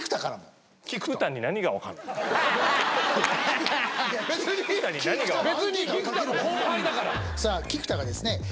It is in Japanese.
さあ菊田がですね。